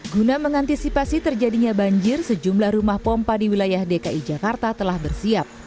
guna mengantisipasi terjadinya banjir sejumlah rumah pompa di wilayah dki jakarta telah bersiap